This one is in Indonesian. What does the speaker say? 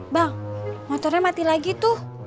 bang motornya mati lagi tuh